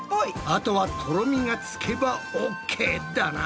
あとはとろみがつけばＯＫだな。